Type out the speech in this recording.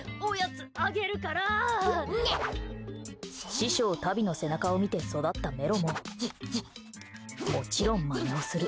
師匠タビの背中を見て育ったメロももちろんマネをする。